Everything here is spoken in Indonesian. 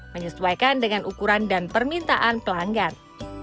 menyesuaikan dengan ukuran dan permintaan pelanggan